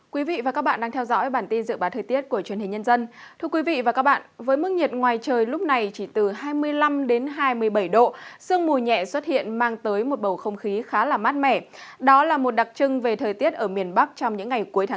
các bạn hãy đăng ký kênh để ủng hộ kênh của chúng mình nhé